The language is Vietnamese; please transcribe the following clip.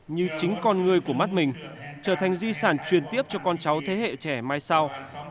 như chính con người của mắt mình trở thành di sản truyền tiếp cho con cháu thế hệ trẻ mai sau